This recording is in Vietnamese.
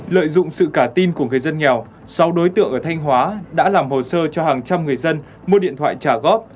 lợi dụng sự cả tin của người dân nghèo sáu đối tượng ở thanh hóa đã làm hồ sơ cho hàng trăm người dân mua điện thoại trả góp